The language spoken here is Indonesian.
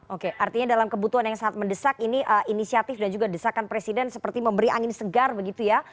oke artinya dalam kebutuhan yang sangat mendesak ini inisiatif dan juga desakan presiden seperti memberi angin segar begitu ya